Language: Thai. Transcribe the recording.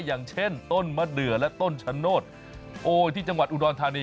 อย่างเช่นต้นมะเดือและต้นชะโนธโอ้ยที่จังหวัดอุดรธานี